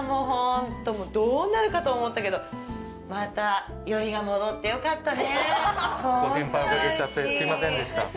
どうなるかと思ったけど、またよりが戻ってよかったね。